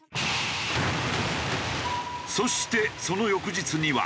そしてその翌日には。